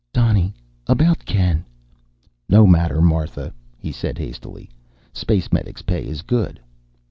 "Donny, about Ken " "No matter, Martha," he said hastily. "Space medic's pay is good."